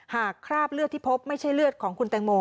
คราบเลือดที่พบไม่ใช่เลือดของคุณแตงโม